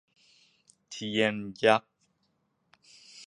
เทียนยักษ์